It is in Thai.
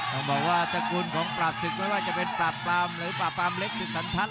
ต้องบอกว่าตระกูลของปราบศึกไม่ว่าจะเป็นปราบปรามหรือปราบปรามเล็กสิสันทัศ